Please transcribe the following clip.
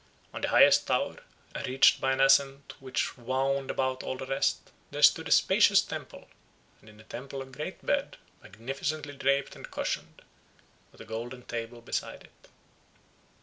On the highest tower, reached by an ascent which wound about all the rest, there stood a spacious temple, and in the temple a great bed, magnificently draped and cushioned, with a golden table beside it.